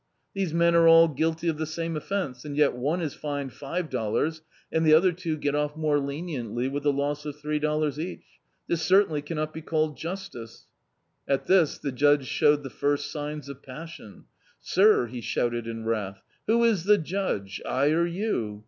These men are all guilty of the same offence, and yet one is fined five dollars, and the other two get off more leniently, with the loss of three dollars each; this certainly cannot be called justice." At this the Judge showed the first signs of passion. "Sir," he shouted in wrath, "who is the Judge, I or you?